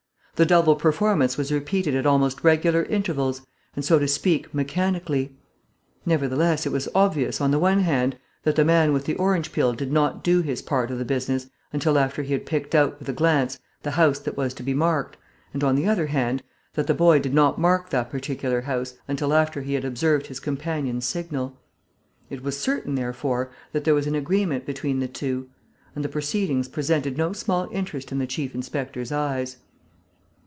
The double performance was repeated at almost regular intervals and, so to speak, mechanically. Nevertheless, it was obvious, on the one hand, that the man with the orange peel did not do his part of the business until after he had picked out with a glance the house that was to be marked and, on the other hand, that the boy did not mark that particular house until after he had observed his companion's signal. It was certain, therefore, that there was an agreement between the two; and the proceedings presented no small interest in the chief inspector's eyes.